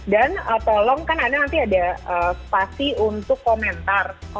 dan tolong kan ada nanti ada spasi untuk komentar